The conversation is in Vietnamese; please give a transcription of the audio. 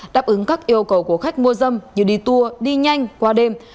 đáp ứng các yêu cầu của khách mua dâm như đi tour đi nhanh qua đêm